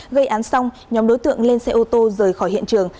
gây án xong nhóm đối tượng lên xe ô tô rời khỏi hiện trường